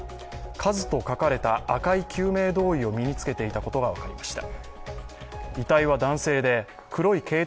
「ＫＡＺＵ」と書かれた赤い救命胴衣を身に着けていたことが分かりました。